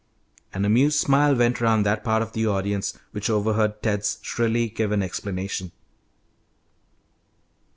An amused smile went around that part of the audience which overheard Ted's shrilly given explanation.